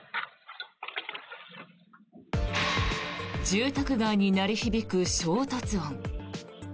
住宅街に鳴り響く衝突音。